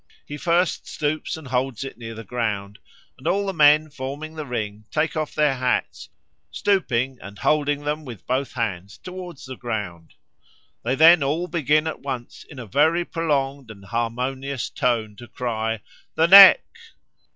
He first stoops and holds it near the ground, and all the men forming the ring take off their hats, stooping and holding them with both hands towards the ground. They then all begin at once in a very prolonged and harmonious tone to cry 'The neck!'